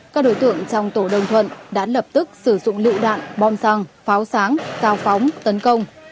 các đối tượng trong tổ đồng thuận đã lập tức sử dụng lựu đạn bom xăng pháo sáng tạo phóng tấn công